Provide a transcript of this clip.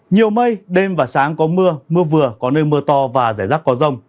nhiều mây đêm và sáng có mưa mưa vừa có nơi mưa to và rải rác có rông